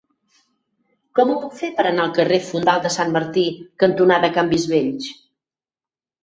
Com ho puc fer per anar al carrer Fondal de Sant Martí cantonada Canvis Vells?